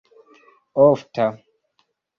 ofta